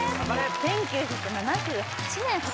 １９７８年発売